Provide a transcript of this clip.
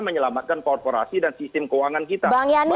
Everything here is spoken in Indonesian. menyelamatkan korporasi dan sistem keuangan kita